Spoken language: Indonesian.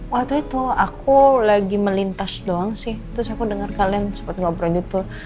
waktu itu aku lagi melintas doang sih terus aku dengar kalian sempat ngobrol gitu